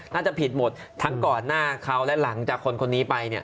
น่าจะผิดหมดทั้งก่อนหน้าเขาและหลังจากคนคนนี้ไปเนี่ย